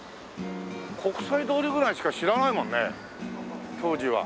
国際通りぐらいしか知らないもんね当時は。